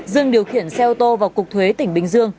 dương điều khiển xe ô tô vào cục thuế tỉnh bình dương